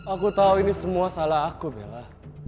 aku tahu ini semua salah aku bella